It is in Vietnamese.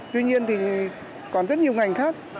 tuy nhiên thì còn rất nhiều ngành khác